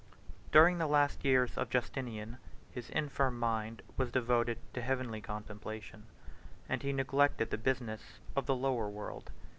During the last years of Justinian, his infirm mind was devoted to heavenly contemplation, and he neglected the business of the lower world.